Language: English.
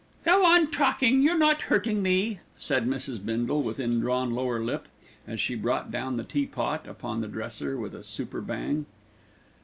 "Go on talking, you're not hurting me," said Mrs. Bindle, with indrawn lower lip, as she brought down the teapot upon the dresser with a super bang.